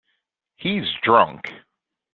He’s drunk.